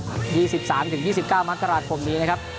อาเซียนนะครับ๒๓๒๙มกราศพรรภ์นี้นะครับ